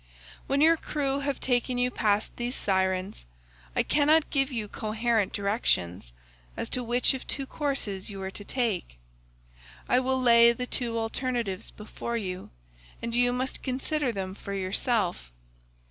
"'When your crew have taken you past these Sirens, I cannot give you coherent directions100 as to which of two courses you are to take; I will lay the two alternatives before you, and you must consider them for yourself.